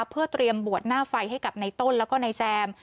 เพื่อเตรียมบวชหน้าไฟให้กับในต้นแล้วก็นายแซม